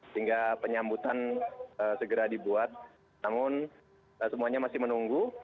sehingga penyambutan segera dibuat namun semuanya masih menunggu